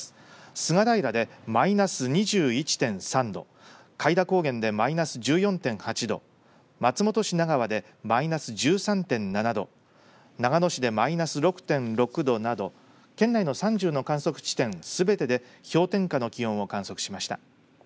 菅平でマイナス２１．３度開田高原でマイナス１４．８度松本市奈川でマイナス１３．７度長野市でマイナス６．６度など県内の３０の観測地点すべてで氷点下の気温を観測しました。